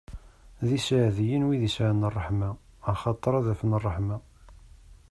D iseɛdiyen, wid yesɛan ṛṛeḥma, axaṭer ad afen ṛṛeḥma!